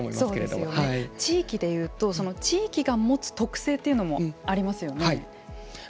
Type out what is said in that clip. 地域で言うと地域が持つ特性というのもありますよね。